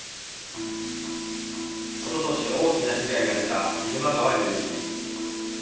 おととし大きな被害が出た入間川流域。